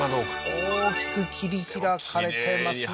大きく切り開かれてますね